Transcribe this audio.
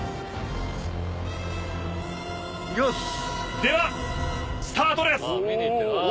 ではスタートです。